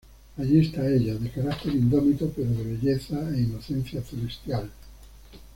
Allí está ella; de carácter indómito pero de belleza e inocencia celestial.